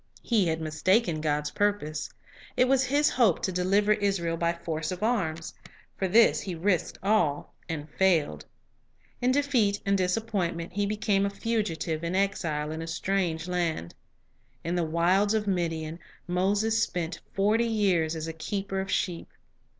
He had mistaken God's purpose. It was his hope to deliver Israel by force of arms. For this he risked all, and failed. In defeat and disappointment he became a fugitive and exile in a strange land. In the wilds of Midian, Moses spent forty years as a keeper of sheep.